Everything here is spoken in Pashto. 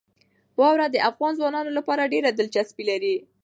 واوره د افغان ځوانانو لپاره ډېره دلچسپي لري.